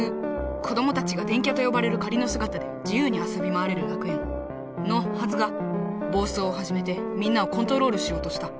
子どもたちが電キャとよばれるかりのすがたで自ゆうに遊び回れる楽園のはずがぼう走を始めてみんなをコントロールしようとした。